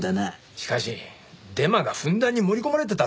しかしデマがふんだんに盛り込まれてたぞ。